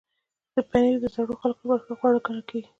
پنېر د زړو خلکو لپاره ښه خواړه ګڼل کېږي.